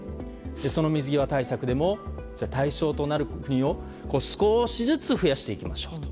その水際対策でも対象となる国を少しずつ増やしていきましょうと。